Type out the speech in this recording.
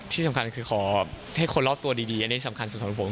ที่สำคัญคือขอให้คนรอบตัวดีอันนี้สำคัญสุดสำหรับผม